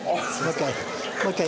もう１回。